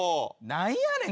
何やねん？